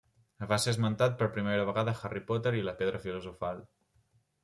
Va ser esmentat per primera vegada a Harry Potter i la pedra filosofal.